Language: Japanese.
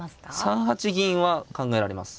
３八銀は考えられます。